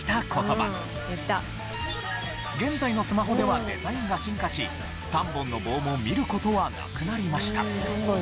現在のスマホではデザインが進化し３本の棒も見る事はなくなりました。